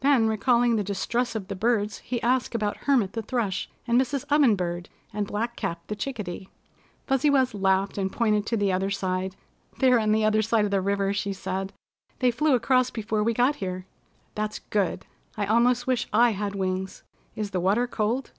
Then recalling the distress of the birds, he asked about Hermit the Thrush and Mrs. Oven Bird and Black Cap the Chickadee. Fuzzy Wuzz laughed and pointed to the other side. "They're on the other side of the river," she said. "They flew across before we got here." "That's good. I almost wish I had wings. Is the water cold?"